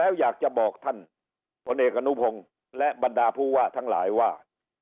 แล้วอยากจะบอกท่านพลเอกอนุพงศ์และบรรดาผู้ว่าทั้งหลายว่า